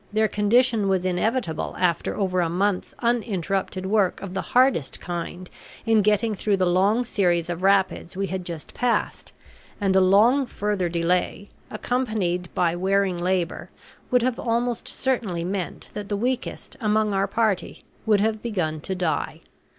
Their condition was inevitable after over a month's uninterrupted work of the hardest kind in getting through the long series of rapids we had just passed; and a long further delay, accompanied by wearing labor, would have almost certainly meant that the weakest among our party would have begun to die.